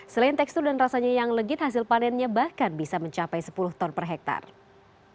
selain tekstur dan rasanya yang legit hasil panennya bahkan bisa mencapai sepuluh ton per hektare